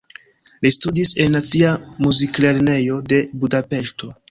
Li studis en Nacia Muziklernejo de Budapeŝto.